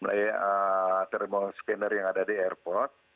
melalui thermal scanner yang ada di airport